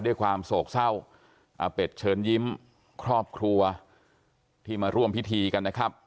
ด้วยความโศกเศร้าอาเป็ดเชิญยิ้มครอบครัวที่มาร่วมพิธีกันนะครับ